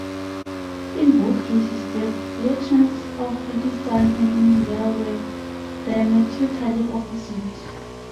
In both cases the reactions of Pakistan and India were diametrically opposite.